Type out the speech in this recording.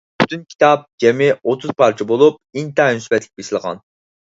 پۈتۈن كىتاب جەمئىي ئوتتۇز پارچە بولۇپ، ئىنتايىن سۈپەتلىك بېسىلغان.